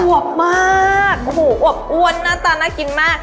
อวบมากอวบอ้วนน่ากินมาก